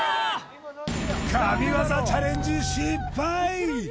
神業チャレンジ失敗！